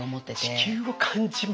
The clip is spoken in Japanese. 地球を感じますよね。